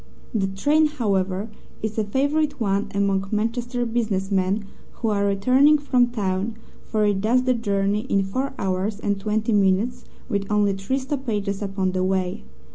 The train, however, is a favourite one among Manchester business men who are returning from town, for it does the journey in four hours and twenty minutes, with only three stoppages upon the way.